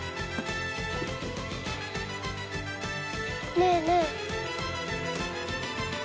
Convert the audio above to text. ねえねえ。